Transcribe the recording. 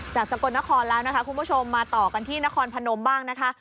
สกลนครแล้วนะคะคุณผู้ชมมาต่อกันที่นครพนมบ้างนะคะ